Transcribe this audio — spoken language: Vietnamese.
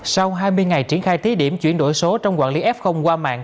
sau hai mươi ngày triển khai thí điểm chuyển đổi số trong quản lý f qua mạng